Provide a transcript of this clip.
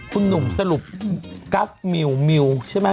คุณหนุ่มสรุปกราฟมิวมิวใช่ไหม